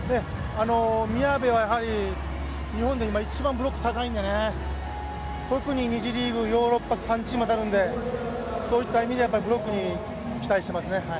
宮部は日本で今一番ブロック高いんでね、特に２次リーグ、ヨーロッパ３チームと当たるので、そういった意味でブロックに期待してますね。